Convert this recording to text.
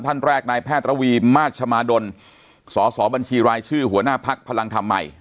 ท่านแรกนายแพทย์ระวีมาชมาดลสอสอบัญชีรายชื่อหัวหน้าพักพลังธรรมใหม่